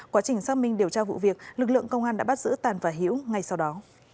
quá trình xác minh điều tra vụ việc lực lượng công an đã bắt giữ tàn và hiễu ngay sau đó